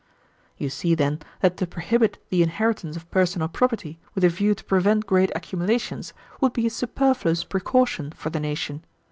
You see, then, that to prohibit the inheritance of personal property with a view to prevent great accumulations would be a superfluous precaution for the nation.